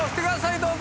どうぞ。